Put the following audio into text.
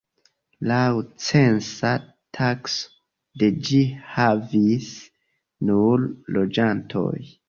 Laŭ censa takso de ĝi havis nur loĝantojn.